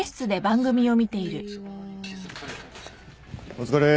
お疲れ。